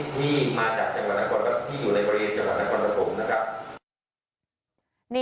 ที่อยู่ในบริเวณจังหวัดนครกรุ่มนะครับ